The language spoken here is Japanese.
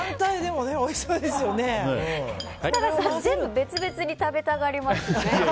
設楽さん、全部別々に食べたがりますね。